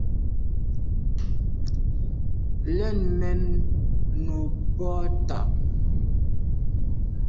Lèn mèn o bwô tà’.